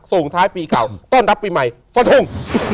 ส่งท้ายปีเก่าต้อนรับปีใหม่ฟันทง